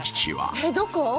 えっどこ？